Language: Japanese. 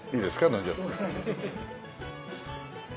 飲んじゃって。